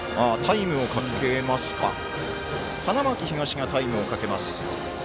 花巻東がタイムをかけます。